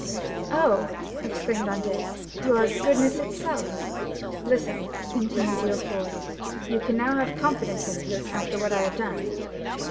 "Oh," exclaimed Dantès, "you are goodness itself." "Listen," continued Villefort; "you can now have confidence in me after what I have done."